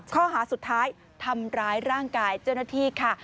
ข้อหาสุดท้ายทำร้ายร่างกายเจ้าหน้าที่ค่ะ